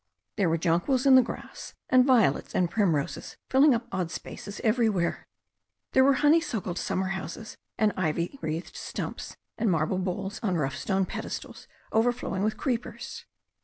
There were jonquils 42 THE STORY OF A NEW ZEALAND RIVER 43 in the grass, and violets and primroses filling up odd spaces everywhere. There were honeysuckled summer houses and ivy wreathed stumps, and marble bowls on rough stone pedestals overflowing with creepers.